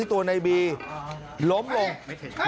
สวัสดีครับทุกคน